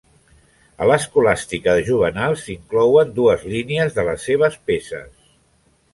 A l'escolàstica de Juvenal s'inclouen dues línies de les seves peces.